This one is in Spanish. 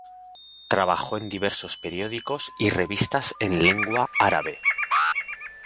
Trabajó en diversos periódicos y revistas en lengua árabe.